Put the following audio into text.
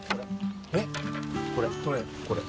えっどれ？